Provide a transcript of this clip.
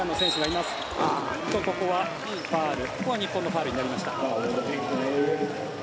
ここは日本のファウルになりました。